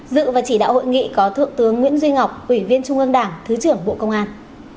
dự và chỉ đạo hội nghị có thượng tướng nguyễn duy ngọc ủy viên trung ương đảng thứ trưởng bộ công an